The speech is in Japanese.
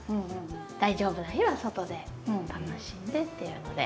大丈夫な日は外で楽しんでっていうので。